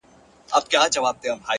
پرمختګ له کوچنیو بریاوو جوړیږي!